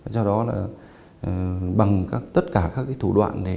do đó bằng tất cả các thủ đoạn